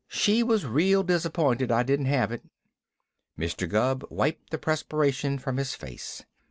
She was real disappointed I didn't have it." Mr. Gubb wiped the perspiration from his face.